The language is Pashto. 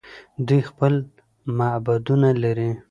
دوی خپل معبدونه لري.